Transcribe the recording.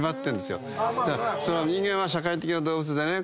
人間は社会的な動物でね